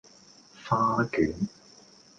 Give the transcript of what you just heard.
花卷